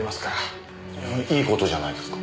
いい事じゃないですか。